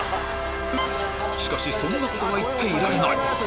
しかしそんなことは言っていられない